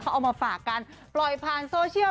เอามาฝากกันปล่อยผ่านโซเชียล